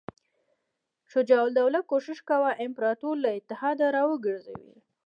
شجاع الدوله کوښښ کاوه امپراطور له اتحاد را وګرځوي.